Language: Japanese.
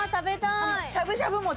しゃぶしゃぶ餅ね。